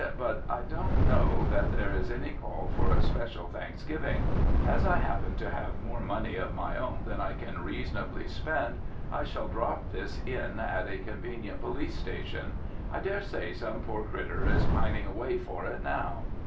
"But I don't know that there is any call for a special thanksgiving. As I happen to have more money of my own than I can reasonably spend I shall drop this in at a convenient police station. I dare say some poor critter is pining away for it now."